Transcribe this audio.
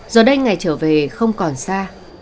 giờ đây ngày trở về không còn xa